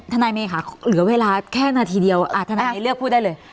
ทนายเมค่ะเหลือเวลาแค่นาทีเดียวทนายเลือกพูดได้เลย